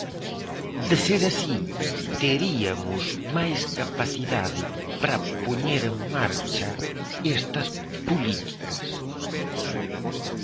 De ser así, teriamos máis capacidade para poñer en marcha estas políticas.